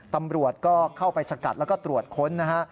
ตำรวจก็เข้าไปสกัดแล้วก็ตรวจค้นนะฮะ